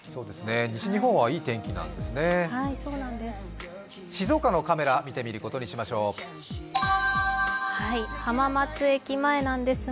西日本はいい天気なんですね。